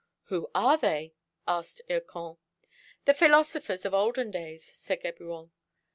"Who are they?" asked Hircan. "The philosophers of olden days," said Geburon.